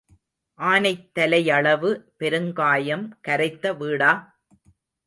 ஆனைத் தலையளவு பெருங்காயம் கரைத்த வீடா?